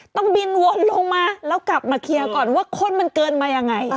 ต้องบินวนลงมาแล้วกลับมาเคลียร์ก่อนว่าข้นมันเกินมายังไง